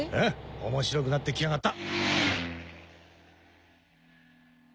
面白くなってきやがった！